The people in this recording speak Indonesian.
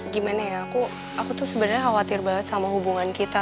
gimana ya aku tuh sebenarnya khawatir banget sama hubungan kita